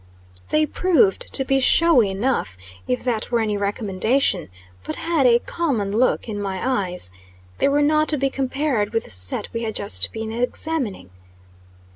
They proved to be showy enough, if that were any recommendation, but had a common look in my eyes. They were not to be compared with the set we had just been examining.